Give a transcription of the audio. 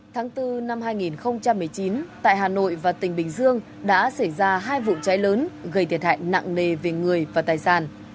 tháng bốn năm hai nghìn một mươi chín tại hà nội và tỉnh bình dương đã xảy ra hai vụ cháy lớn gây thiệt hại nặng nề về người và tài sản